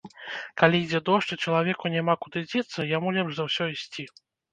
Калі ідзе дождж і чалавеку няма куды дзецца, яму лепш за ўсё ісці.